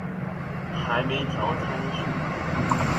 還沒調參數